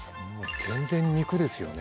全然肉ですよね。